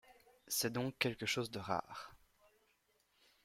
C’est donc quelque chose de rare.